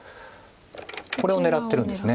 これを狙ってるんです。